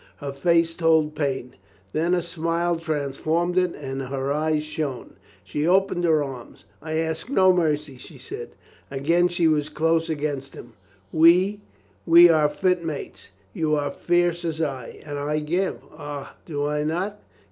Her face told pain. Then a smile transformed it and her eyes shone. She opened her arms. "I ask no mercy," she said. Again she was close against him. ... "We, we are fit mates! You are fierce as I. And I give. Ah, do I not?"